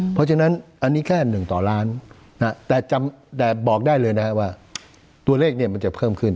เพราะฉะนั้นอันนี้แค่๑ต่อล้านแต่จำแต่บอกได้เลยนะว่าตัวเลขเนี่ยมันจะเพิ่มขึ้น